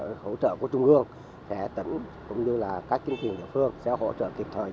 tổng số thiệt hại lớn của trung ương sẽ tỉnh cũng như là các kinh tỉnh địa phương sẽ hỗ trợ kịp thời